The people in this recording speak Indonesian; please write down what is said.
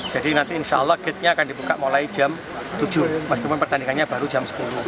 jadi nanti insya allah gate nya akan dibuka mulai jam tujuh pas pemain pertandingannya baru jam sepuluh